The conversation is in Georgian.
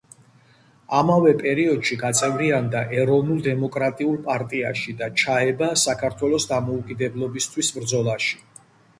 ამავე პერიოდში გაწევრიანდა ეროვნულ–დემოკრატიულ პარტიაში და ჩაება საქართველოს დამოუკიდებლობისთვის ბრძოლაში.